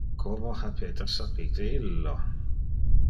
Como ha Peter sapite illo?